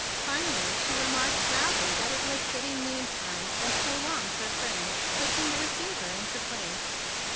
Fi¬ nally she remarked loudly that it was getting noontime, and "so longed" her friend, clicking the receiver into place.